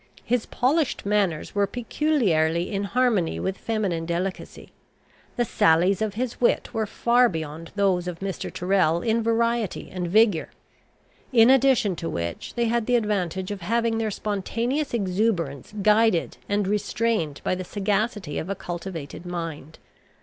His polished manners were peculiarly in harmony with feminine delicacy. The sallies of his wit were far beyond those of Mr. Tyrrel in variety and vigour; in addition to which they had the advantage of having their spontaneous exuberance guided and restrained by the sagacity of a cultivated mind.